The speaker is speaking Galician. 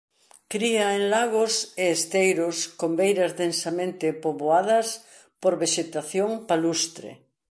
Cría en lagos e esteiros con beiras densamente poboadas por vexetación palustre.